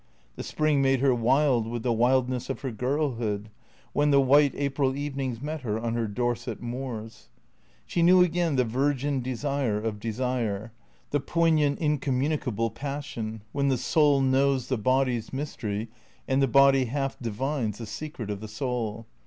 The spring made her wild with the wildness of her girlhood when the white April evenings met her on her Dorset moors. She knew again the virgin desire of desire, the poignant, in communicable passion, when the soul knows the body's mystery and the body half divines the secret of the soul.